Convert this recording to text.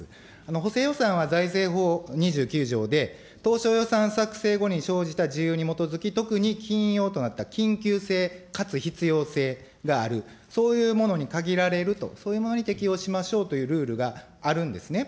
補正予算は財政法２９条で、当初予算作成後に生じた事由に基づき、特に緊要となった、緊急性かつ必要性がある、そういうものに限られると、そういうものに適用しましょうというルールがあるんですね。